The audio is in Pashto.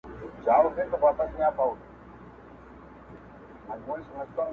يو وار نوک ځاى که، بيا سوک.